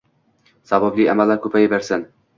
Savobli amallar koʻpayaversin…